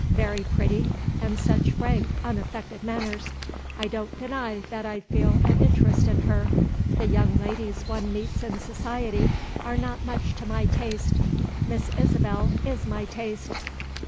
Very pretty, and such frank, unaffected manners. I don't deny that I feel an interest in her. The young ladies one meets in society are not much to my taste. Miss Isabel is my taste."